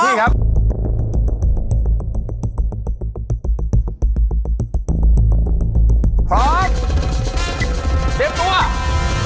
เตรียมตัว